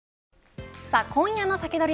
今夜のサキドリ！